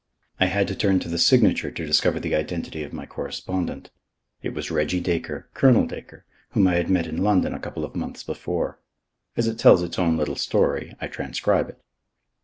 I had to turn to the signature to discover the identity of my correspondent. It was Reggie Dacre, Colonel Dacre, whom I had met in London a couple of months before. As it tells its own little story, I transcribe it.